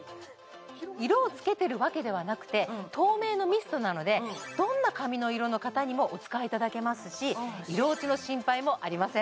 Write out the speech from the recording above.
色をつけてるわけではなくて透明のミストなのでどんな髪の色の方にもお使いいただけますし色落ちの心配もありません